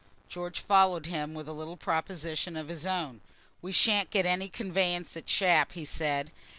George followed him with a little proposition of his own. "We shan't get any conveyance at Shap," he said.